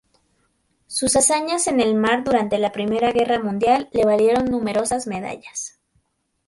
Sus hazañas en el mar durante la Primera Guerra Mundial le valieron numerosas medallas.